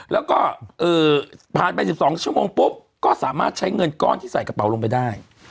แล้วก็ผ่านไป๑๒ชั่วโมงปุ๊บก็สามารถใช้เงินก้อนที่ใส่กระเป๋าลงไปได้